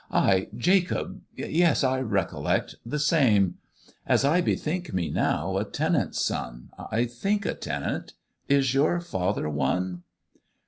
Ay, Jacob, yes! I recollect the same; As I bethink me now, a tenant's son I think a tenant, is your father one?"